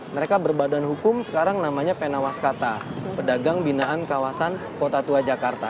mereka berbadan hukum sekarang namanya penawaskata pedagang binaan kawasan kota tua jakarta